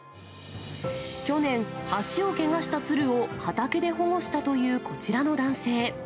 去年、足をけがした鶴を畑で保護したというこちらの男性。